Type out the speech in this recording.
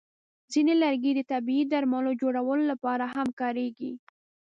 ځینې لرګي د طبیعي درملو جوړولو لپاره هم کارېږي.